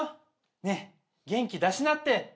「ねぇ元気出しなって。」